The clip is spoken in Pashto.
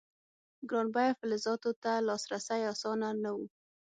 ګران بیه فلزاتو ته لاسرسی اسانه نه و.